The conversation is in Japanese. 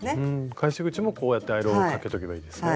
返し口もこうやってアイロンをかけておけばいいんですね。